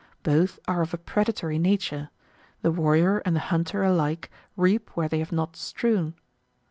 Both are of a predatory nature; the warrior and the hunter alike reap where they have not strewn.